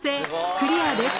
クリアです。